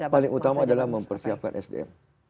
paling utama adalah mempersiapkan sdm